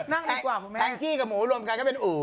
อังกฎกับหมูรวมกันก็เป็นอู๋